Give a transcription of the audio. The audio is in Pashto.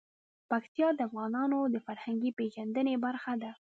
پکتیا د افغانانو د فرهنګي پیژندنې برخه ده.